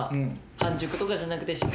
半熟とかじゃなくてしっかり。